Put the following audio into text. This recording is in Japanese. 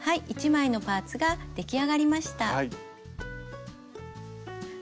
１枚のパーツが出来上がりました。